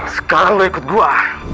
sekarang lu ikut gue